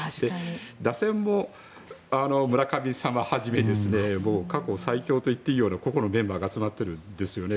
打線も村神様をはじめ過去最強といっていいような個々のメンバーが集まっているんですよね。